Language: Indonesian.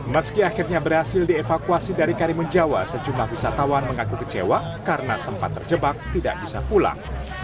meski akhirnya berhasil dievakuasi dari karimun jawa sejumlah wisatawan mengaku kecewa karena sempat terjebak tidak bisa pulang